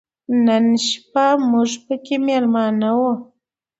نن شپه موږ پکې مېلمانه و.